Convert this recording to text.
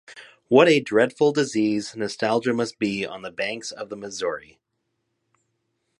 What a dreadful disease nostalgia must be on the banks of the Missouri.